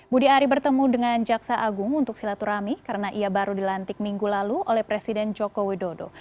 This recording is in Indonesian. budi ari bertemu dengan jaksa agung untuk silaturahmi karena ia baru dilantik minggu lalu oleh presiden joko widodo